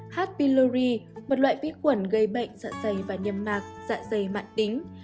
h pylori một loại vết khuẩn gây bệnh dạ dày và nhầm mạc dạ dày mạng tính